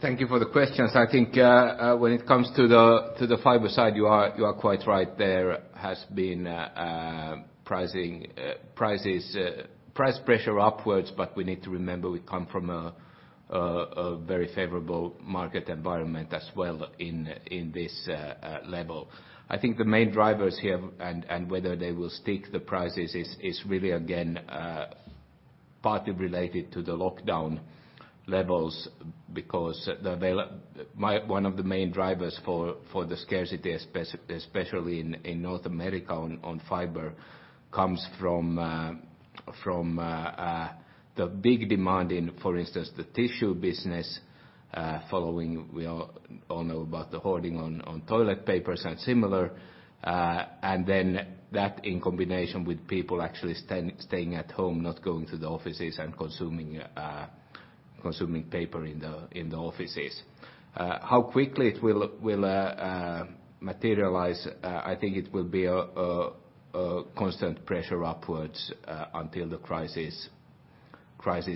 C: Thank you for the questions. I think when it comes to the fiber side, you are quite right. There has been price pressure upwards, but we need to remember we come from a very favorable market environment as well in this level. I think the main drivers here and whether they will stick the prices is really, again, partly related to the lockdown levels because one of the main drivers for the scarcity, especially in North America on fiber, comes from the big demand in, for instance, the tissue business following. We all know about the hoarding on toilet papers and similar. And then that in combination with people actually staying at home, not going to the offices and consuming paper in the offices. How quickly it will materialize, I think it will be a constant pressure upwards until the crises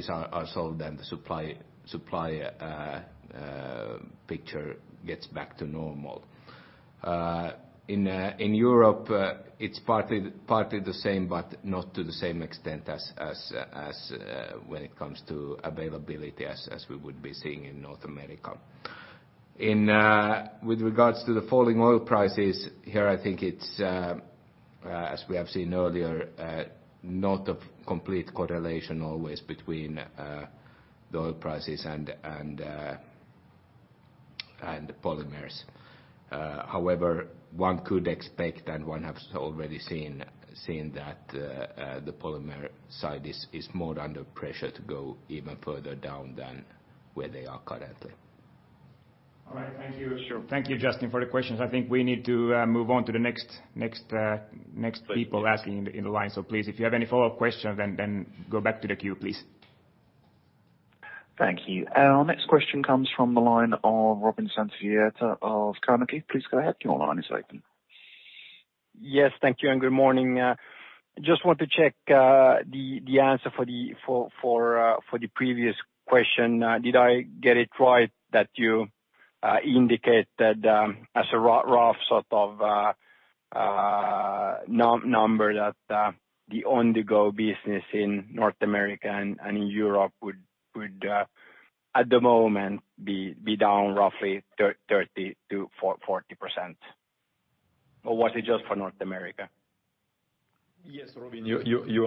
C: are solved and the supply picture gets back to normal. In Europe, it's partly the same, but not to the same extent as when it comes to availability as we would be seeing in North America. With regards to the falling oil prices, here I think it's, as we have seen earlier, not a complete correlation always between the oil prices and polymers. However, one could expect and one has already seen that the polymer side is more under pressure to go even further down than where they are currently.
E: All right. Thank you.
A: Sure. Thank you, Justin, for the questions. I think we need to move on to the next people asking in the line. So please, if you have any follow-up questions, then go back to the queue, please.
D: Thank you. Our next question comes from the line of Robin Santavirta of Carnegie. Please go ahead. Your line is open.
E: Yes. Thank you and good morning. Just want to check the answer for the previous question. Did I get it right that you indicate that as a rough sort of number that the on-the-go business in North America and in Europe would at the moment be down roughly 30%-40%? Or was it just for North America?
B: Yes, Robin.You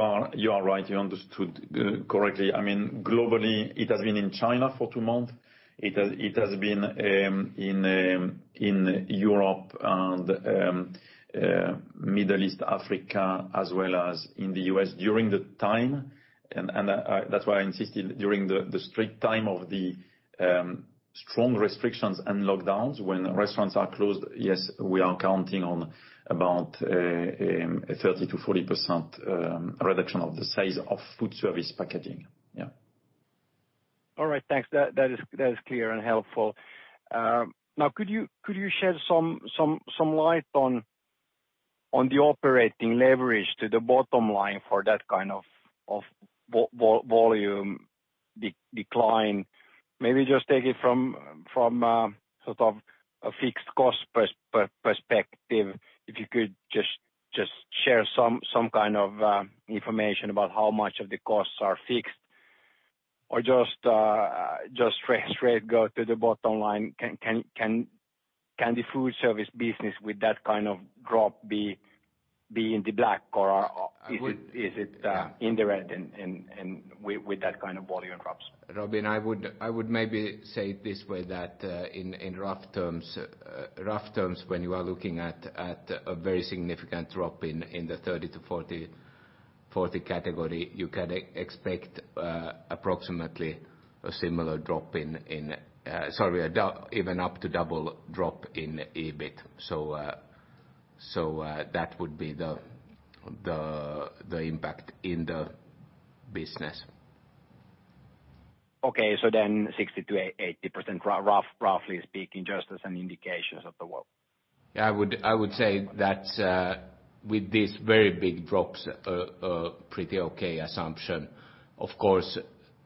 B: are right. You understood correctly. I mean, globally, it has been in China for two months. It has been in Europe and Middle East, Africa, as well as in the U.S. during the time. And that's why I insisted during the strict time of the strong restrictions and lockdowns, when restaurants are closed, yes, we are counting on about a 30%-40% reduction of the size of foodservice packaging. Yeah.
E: All right. Thanks. That is clear and helpful. Now, could you shed some light on the operating leverage to the bottom line for that kind of volume decline? Maybe just take it from sort of a fixed cost perspective. If you could just share some kind of information about how much of the costs are fixed or just straight go to the bottom line, can the foodservice business with that kind of drop be in the black or is it in the red with that kind of volume drops?
C: Robin, I would maybe say it this way that in rough terms, when you are looking at a very significant drop in the 30%-40% category, you can expect approximately a similar drop in, sorry, even up to double drop in EBIT. So that would be the impact in the business.
E: Okay, so then 60%-80%, roughly speaking, just as an indication of the world.
C: Yeah. I would say that with these very big drops, a pretty okay assumption. Of course,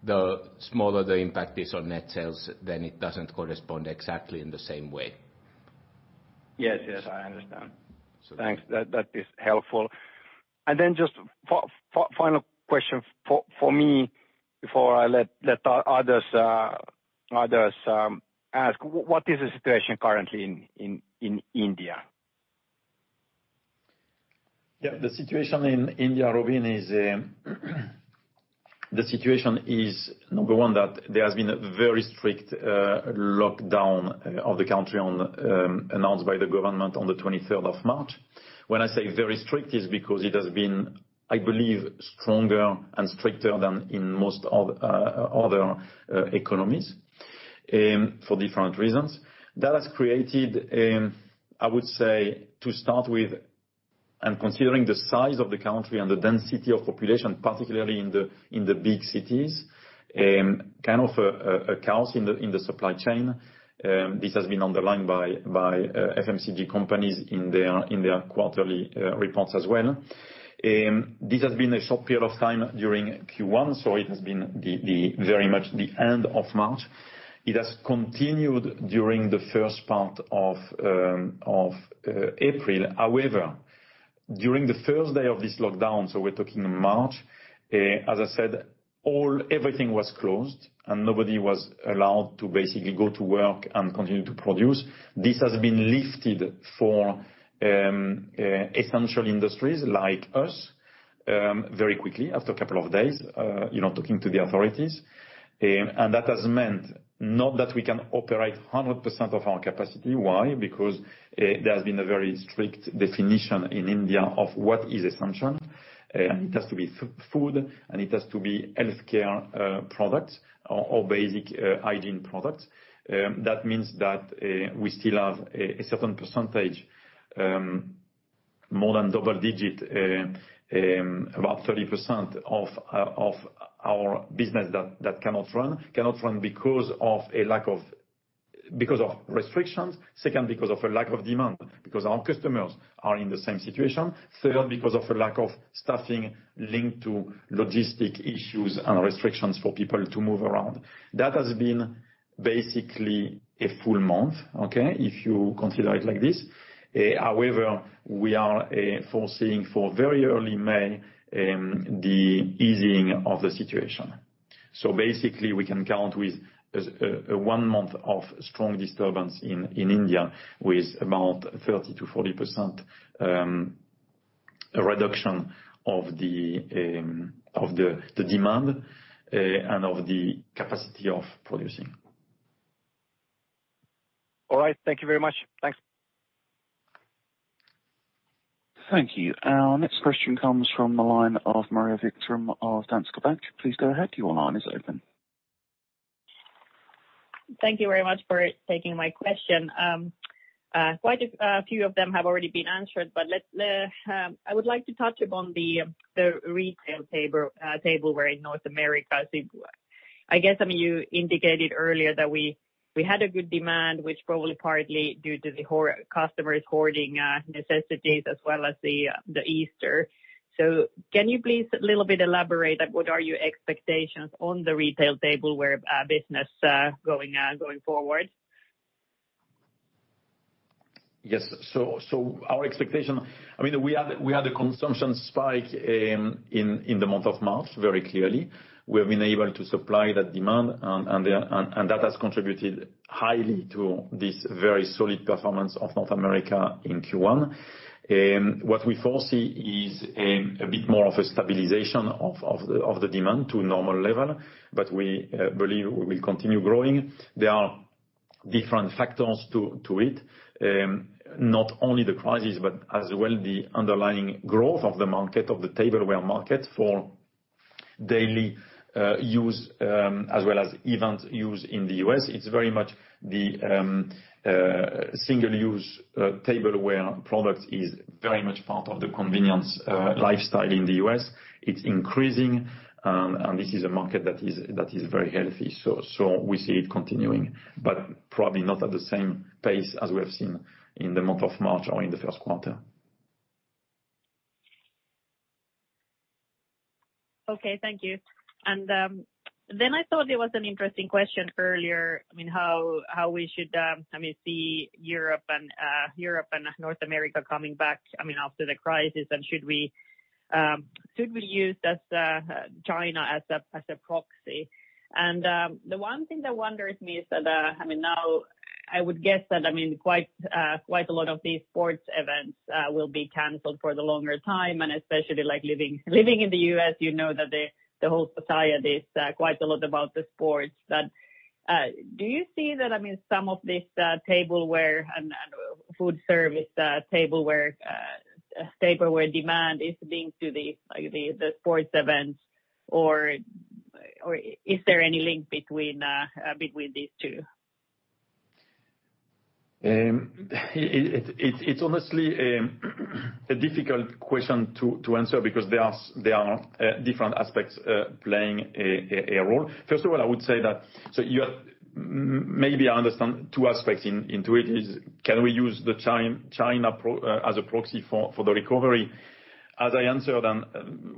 C: the smaller the impact is on net sales, then it doesn't correspond exactly in the same way.
E: Yes. Yes. I understand. Thanks. That is helpful. And then just final question for me before I let others ask. What is the situation currently in India?
B: Yeah. The situation in India, Robin, is, number one, that there has been a very strict lockdown of the country announced by the government on the 23rd of March. When I say very strict, it's because it has been, I believe, stronger and stricter than in most other economies for different reasons. That has created, I would say, to start with, and considering the size of the country and the density of population, particularly in the big cities, kind of a chaos in the supply chain. This has been underlined by FMCG companies in their quarterly reports as well. This has been a short period of time during Q1, so it has been very much the end of March. It has continued during the first part of April.However, during the first day of this lockdown, so we're talking March, as I said, everything was closed and nobody was allowed to basically go to work and continue to produce. This has been lifted for essential industries like us very quickly after a couple of days, talking to the authorities. And that has meant not that we can operate 100% of our capacity. Why? Because there has been a very strict definition in India of what is essential. It has to be food and it has to be healthcare products or basic hygiene products. That means that we still have a certain percentage, more than double digit, about 30% of our business that cannot run. Cannot run because of a lack of restrictions. Second, because of a lack of demand, because our customers are in the same situation. Third, because of a lack of staffing linked to logistic issues and restrictions for people to move around. That has been basically a full month, okay, if you consider it like this. However, we are foreseeing for very early May the easing of the situation. So basically, we can count with one month of strong disturbance in India with about 30%-40% reduction of the demand and of the capacity of producing.
E: All right. Thank you very much. Thanks.
D: Thank you. Our next question comes from the line of Maria Wikström of Danske Bank. Please go ahead. Your line is open.
E: Thank you very much for taking my question. Quite a few of them have already been answered, but I would like to touch upon the retail tableware in North America. I guess you indicated earlier that we had a good demand, which probably partly due to the customers' hoarding necessities as well as the Easter. So can you please a little bit elaborate on what are your expectations on the retail tableware business going forward?
B: Yes. So our expectation, I mean, we had a consumption spike in the month of March very clearly. We have been able to supply that demand, and that has contributed highly to this very solid performance of North America in Q1. What we foresee is a bit more of a stabilization of the demand to normal level, but we believe we will continue growing. There are different factors to it, not only the crisis, but as well the underlying growth of the market, of the tableware market for daily use as well as event use in the U.S.. It's very much the single-use tableware product is very much part of the convenience lifestyle in the U.S.. It's increasing, and this is a market that is very healthy. So we see it continuing, but probably not at the same pace as we have seen in the month of March or in the first quarter.
E: Okay. Thank you. And then I thought there was an interesting question earlier, I mean, how we should see Europe and North America coming back, I mean, after the crisis, and should we use China as a proxy? And the one thing that wonders me is that, I mean, now I would guess that, I mean, quite a lot of these sports events will be canceled for the longer time, and especially living in the US, you know that the whole society is quite a lot about the sports. Do you see that, I mean, some of this tableware and foodservice tableware demand is linked to the sports events, or is there any link between these two?
B: It's honestly a difficult question to answer because there are different aspects playing a role. First of all, I would say that, so maybe I understand two aspects into it is, can we use China as a proxy for the recovery? As I answered, and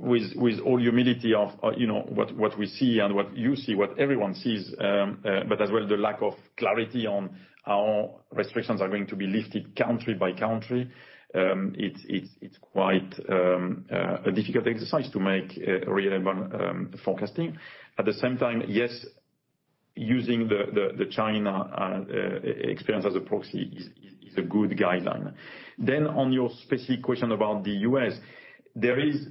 B: with all humility of what we see and what you see, what everyone sees, but as well the lack of clarity on how restrictions are going to be lifted country by country, it's quite a difficult exercise to make reliable forecasting. At the same time, yes, using the China experience as a proxy is a good guideline. Then on your specific question about the U.S., there is a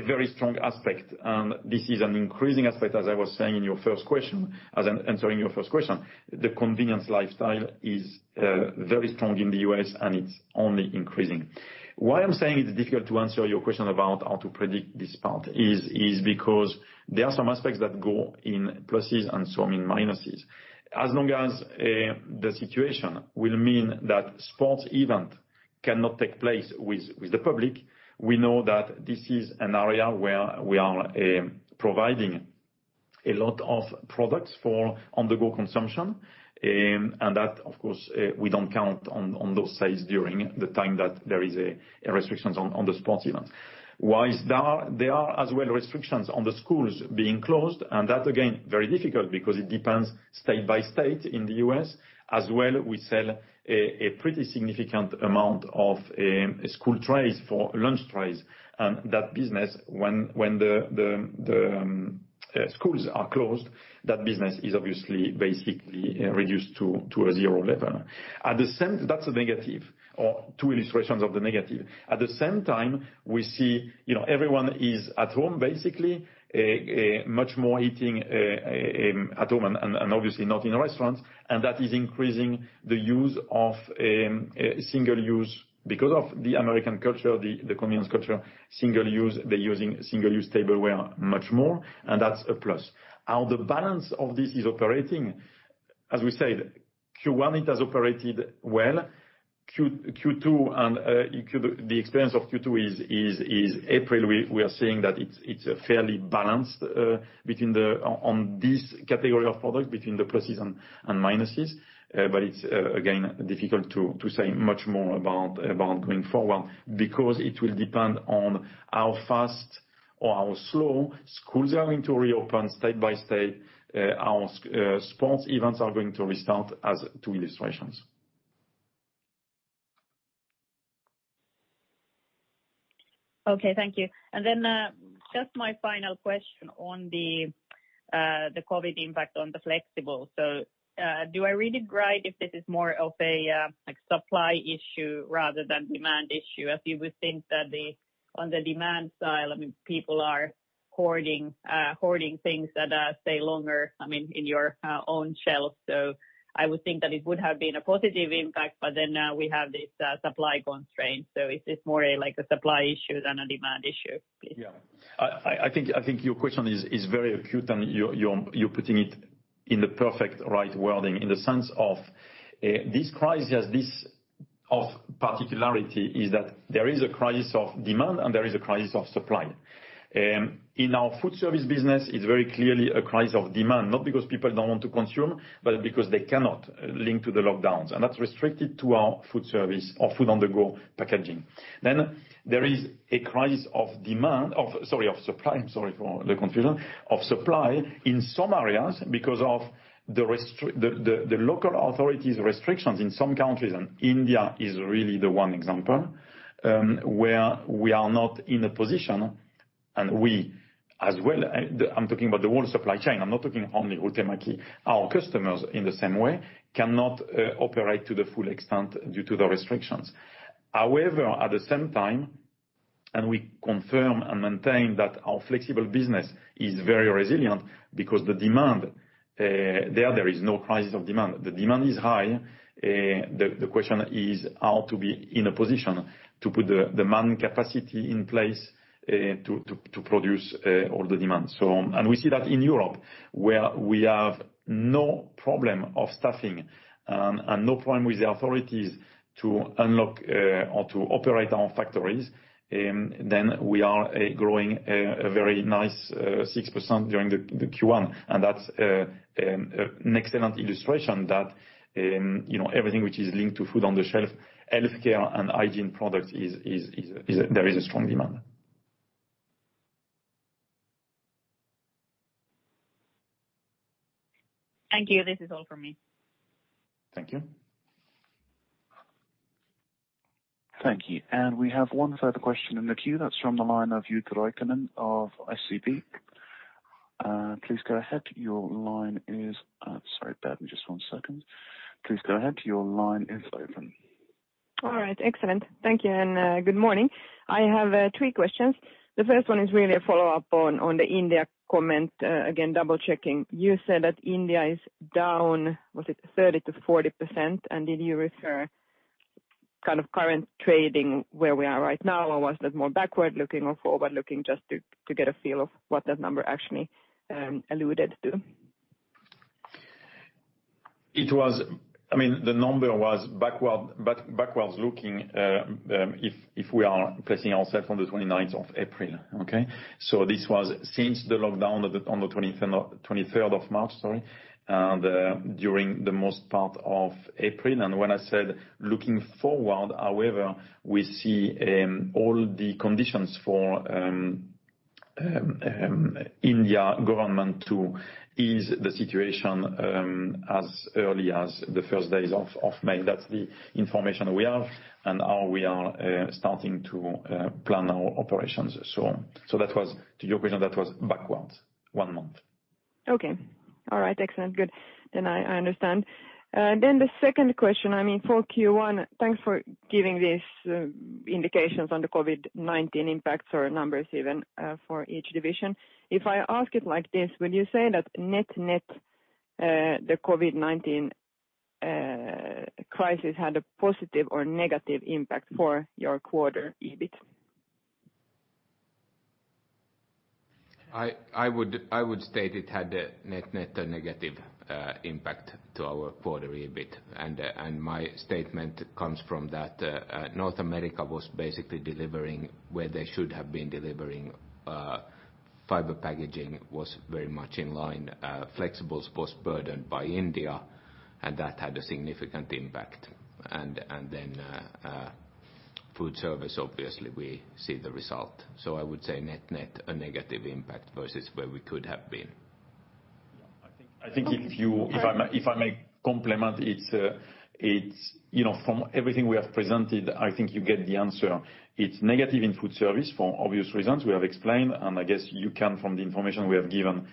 B: very strong aspect, and this is an increasing aspect, as I was saying in your first question, as I'm answering your first question, the convenience lifestyle is very strong in the U.S., and it's only increasing. Why I'm saying it's difficult to answer your question about how to predict this part is because there are some aspects that go in pluses and some in minuses. As long as the situation will mean that sports events cannot take place with the public, we know that this is an area where we are providing a lot of products for on-the-go consumption, and that, of course, we don't count on those sales during the time that there are restrictions on the sports events. While there are as well restrictions on the schools being closed, and that, again, very difficult because it depends state by state in the U.S.. As well, we sell a pretty significant amount of school trays for lunch trays, and that business, when the schools are closed, that business is obviously basically reduced to a zero level. That's a negative, or two illustrations of the negative. At the same time, we see everyone is at home, basically, much more eating at home and obviously not in restaurants, and that is increasing the use of single-use because of the American culture, the convenience culture, single-use, they're using single-use tableware much more, and that's a plus. How the balance of this is operating, as we said, Q1, it has operated well. Q2, and the experience of Q2 is April, we are seeing that it's fairly balanced on this category of products, between the pluses and minuses, but it's, again, difficult to say much more about going forward because it will depend on how fast or how slow schools are going to reopen state by state, how sports events are going to restart, as two illustrations.
E: Okay. Thank you. And then just my final question on the COVID impact on the flexible. So do I read it right if this is more of a supply issue rather than demand issue? If you would think that on the demand side, I mean, people are hoarding things that stay longer, I mean, in your own shelves. So I would think that it would have been a positive impact, but then we have this supply constraint. So is this more like a supply issue than a demand issue?
B: Yeah. I think your question is very acute, and you're putting it in the perfect right wording in the sense of this crisis has this particularity is that there is a crisis of demand and there is a crisis of supply. In our foodservice business, it's very clearly a crisis of demand, not because people don't want to consume, but because they cannot link to the lockdowns. And that's restricted to our foodservice or food-on-the-go packaging. Then there is a crisis of demand, sorry, of supply. I'm sorry for the confusion, of supply in some areas because of the local authorities' restrictions in some countries, and India is really the one example where we are not in a position, and we as well, I'm talking about the whole supply chain. I'm not talking only Huhtamäki. Our customers in the same way cannot operate to the full extent due to the restrictions. However, at the same time and we confirm and maintain that our flexible business is very resilient because the demand there, there is no crisis of demand. The demand is high. The question is how to be in a position to put the manpower capacity in place to produce all the demand, and we see that in Europe where we have no problem of staffing and no problem with the authorities to unlock or to operate our factories, then we are growing a very nice 6% during the Q1, and that's an excellent illustration that everything which is linked to food on the shelf, healthcare and hygiene products, there is a strong demand.
E: Thank you. This is all for me.
B: Thank you.
D: Thank you. And we have one further question in the queue. That's from the line of Jutta Rahikainen of SEB. Please go ahead. Your line is. Sorry, bear with me just one second. Please go ahead. Your line is open.
E: All right. Excellent. Thank you. And good morning. I have three questions. The first one is really a follow-up on the India comment. Again, double-checking. You said that India is down, was it 30%-40%? And did you refer kind of current trading where we are right now, or was that more backward-looking or forward-looking just to get a feel of what that number actually alluded to?
B: It was, I mean, the number was backward-looking if we are placing ourselves on the 29th of April, okay? So this was since the lockdown on the 23rd of March, sorry, and during the most part of April, and when I said looking forward, however, we see all the conditions for India government to ease the situation as early as the first days of May. That's the information we have and how we are starting to plan our operations, so to your question, that was backwards one month.
E: Okay. All right. Excellent. Good. Then I understand. And then the second question, I mean, for Q1, thanks for giving these indications on the COVID-19 impacts or numbers even for each division. If I ask it like this, would you say that net-net the COVID-19 crisis had a positive or negative impact for your quarter EBIT?
C: I would state it had a net-net negative impact to our quarter EBIT. And my statement comes from that North America was basically delivering where they should have been delivering. Fiber packaging was very much in line. Flexible was burdened by India, and that had a significant impact. And then foodservice, obviously, we see the result. So I would say net-net a negative impact versus where we could have been.
B: I think if I may comment, it's from everything we have presented. I think you get the answer. It's negative in foodservice for obvious reasons we have explained, and I guess you can, from the information we have given,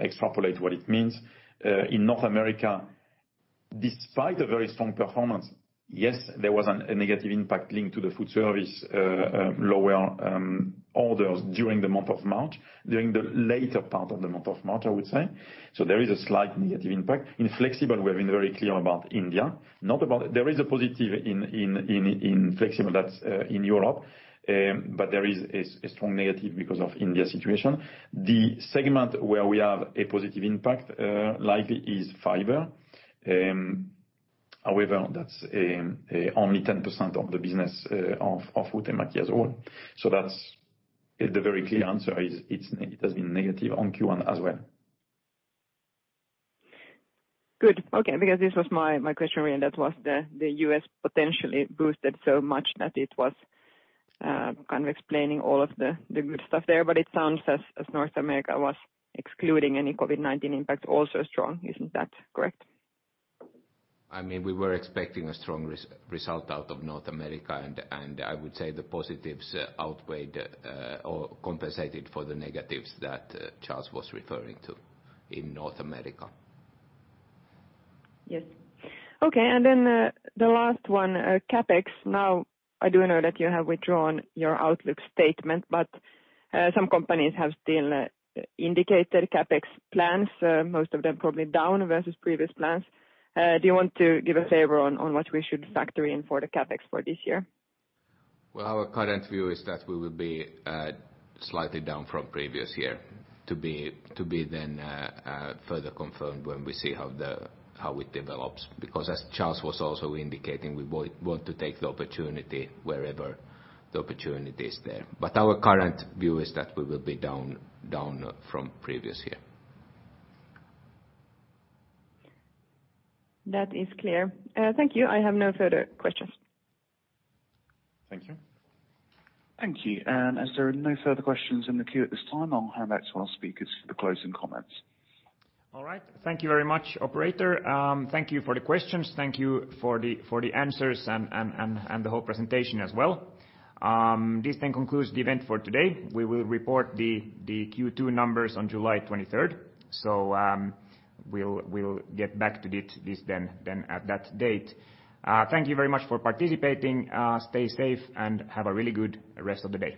B: extrapolate what it means. In North America, despite a very strong performance, yes, there was a negative impact linked to the food service lower orders during the month of March, during the later part of the month of March, I would say. So there is a slight negative impact. In flexible, we have been very clear about India. There is a positive in flexible that's in Europe, but there is a strong negative because of India's situation. The segment where we have a positive impact likely is fiber. However, that's only 10% of the business of Huhtamäki as well. So the very clear answer is it has been negative on Q1 as well.
E: Good. Okay. Because this was my question really, and that was the U.S. potentially boosted so much that it was kind of explaining all of the good stuff there. But it sounds as North America was excluding any COVID-19 impact also strong. Isn't that correct?
C: I mean, we were expecting a strong result out of North America, and I would say the positives outweighed or compensated for the negatives that Charles was referring to in North America.
E: Yes. Okay. And then the last one, CAPEX. Now, I do know that you have withdrawn your outlook statement, but some companies have still indicated CAPEX plans, most of them probably down versus previous plans. Do you want to give a flavor on what we should factor in for the CAPEX for this year?
C: Our current view is that we will be slightly down from previous year to be then further confirmed when we see how it develops. Because as Charles was also indicating, we want to take the opportunity wherever the opportunity is there. But our current view is that we will be down from previous year.
E: That is clear. Thank you. I have no further questions.
D: Thank you. Thank you. And as there are no further questions in the queue at this time, I'll hand back to our speakers for the closing comments.
A: All right. Thank you very much, Operator. Thank you for the questions. Thank you for the answers and the whole presentation as well. This then concludes the event for today. We will report the Q2 numbers on July 23rd. So we'll get back to this then at that date. Thank you very much for participating. Stay safe and have a really good rest of the day.